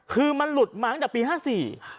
คือมันหลุดมาตั้งแต่ปี๕๔